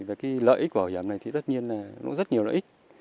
về cái lợi ích của bảo hiểm này thì tất nhiên là nó rất nhiều lợi ích